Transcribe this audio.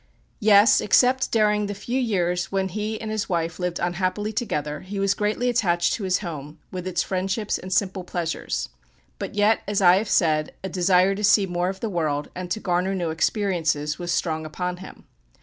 Yes, except during the few years when he and his wife lived unhappily together, he was greatly attached to his home, with its friendships and simple pleasures; but yet, as I have said, a desire to see more of the world, and to garner new experiences, was strong upon him.